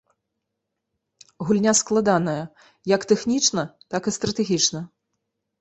Гульня складаная, як тэхнічна, так і стратэгічна.